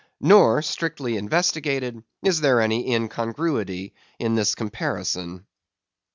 Nor, strictly investigated, is there any incongruity in this comparison.